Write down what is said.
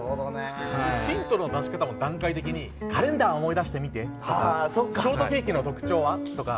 ヒントの出し方も段階的にカレンダーを思い出してみてとかショートケーキの特徴は？とか。